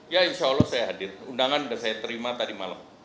ya insya allah saya hadir undangan sudah saya terima tadi malam